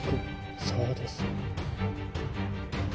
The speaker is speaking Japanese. そうです。